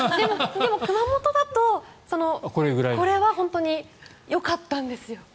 熊本だとこれは本当によかったんですよ。